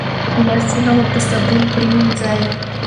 لاسونه مو په صابون پریمنځئ.